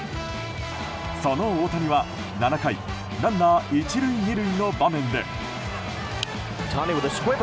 その大谷は７回ランナー１塁２塁の場面で。